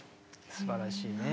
すばらしいね。